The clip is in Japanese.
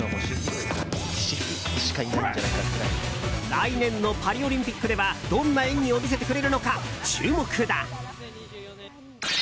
来年のパリオリンピックではどんな演技を見せてくれるのか注目だ。